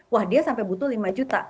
wah dia sampai butuh lima juta